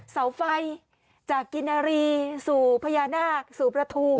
เสาไฟจากกินนารีสู่พญานาคสู่ประทู